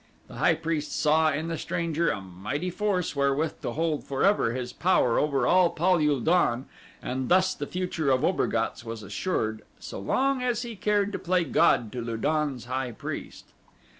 The high priest saw in the stranger a mighty force wherewith to hold forever his power over all Pal ul don and thus the future of Obergatz was assured so long as he cared to play god to Lu don's high priest.